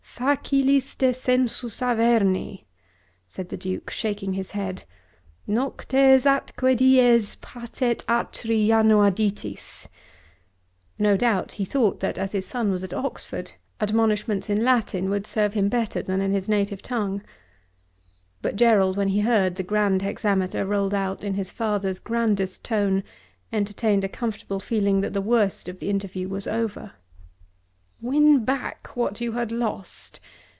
"Facilis descensus Averni!" said the Duke, shaking his head. "Noctes atque dies patet atri janua Ditis." No doubt, he thought, that as his son was at Oxford, admonitions in Latin would serve him better than in his native tongue. But Gerald, when he heard the grand hexameter rolled out in his father's grandest tone, entertained a comfortable feeling that the worst of the interview was over. "Win back what you had lost!